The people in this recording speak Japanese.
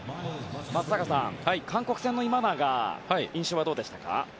松坂さん、韓国戦の今永の印象はどうでしたか？